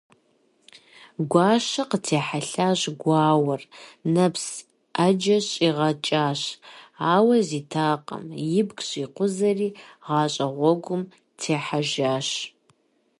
Гуащэ къытехьэлъащ гуауэр, нэпс Ӏэджэ щӀигъэкӀащ, ауэ зитакъым, – ибг щӀикъузэри гъащӀэ гъуэгум техьэжащ.